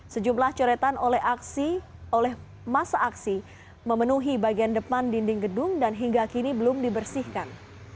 sejumlah coretan oleh masa aksi memenuhi bagian depan dinding gedung dan hingga kini belum dibersihkan